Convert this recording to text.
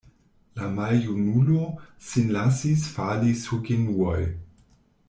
La maljunulo sin lasis fali sur genuoj.